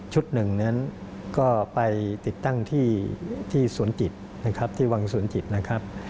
หนึ่งนั้นก็ไปติดตั้งที่สวนจิตนะครับที่วังสวนจิตนะครับ